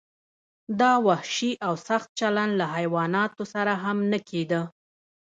دا وحشي او سخت چلند له حیواناتو سره هم نه کیده.